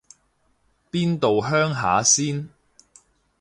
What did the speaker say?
邊度鄉下先